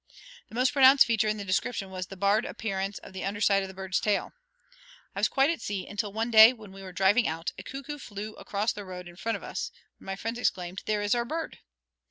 The most pronounced feature in the description was the barred appearance of the under side of the bird's tail. I was quite at sea, until one day, when we were driving out, a cuckoo flew across the road in front of us, when my friends exclaimed, "There is our bird!"